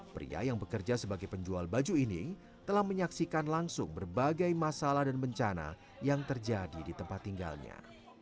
pria yang bekerja sebagai penjual baju ini telah menyaksikan langsung berbagai masalah dan bencana yang terjadi di tempat tinggalnya